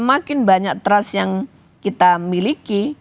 dengan semakin banyak trust yang kita miliki